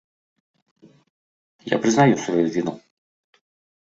Я прызнаю сваю віну.